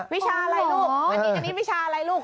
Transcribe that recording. วิชาอะไรลูกอันนี้วิชาอะไรลูก